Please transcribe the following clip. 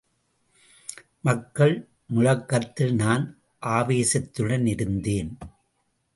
மக்கள் முழக்கத்தில் நான் ஆவேசத்துடனிருந்தேன்.